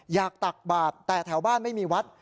ตักบาทแต่แถวบ้านไม่มีวัด